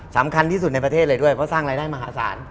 สำคัญที่สุดในประเทศเลยด้วยเพราะสร้างรายได้มหาศาล